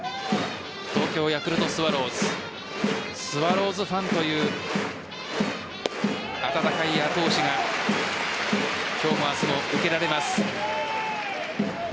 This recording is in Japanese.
東京ヤクルトスワローズスワローズファンという温かい後押しが今日も明日も受けられます。